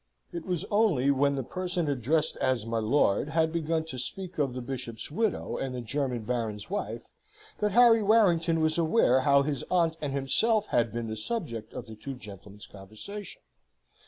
It was only when the person addressed as my lord had begun to speak of the bishop's widow and the German baron's wife that Harry Warrington was aware how his aunt and himself had been the subject of the two gentlemen's conversation.